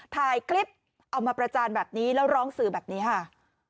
ถ่ายคลิปเอามาประจานแบบนี้แล้วร้องสื่อแบบนี้ค่ะ